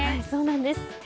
そうなんです。